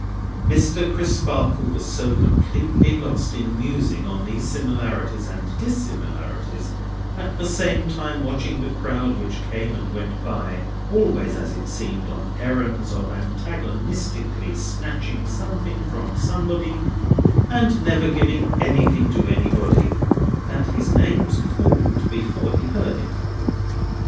Mr. Crisparkle was so completely lost in musing on these similarities and dissimilarities, at the same time watching the crowd which came and went by, always, as it seemed, on errands of antagonistically snatching something from somebody, and never giving anything to anybody, that his name was called before he heard it.